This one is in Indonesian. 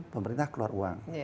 pemerintah keluar uang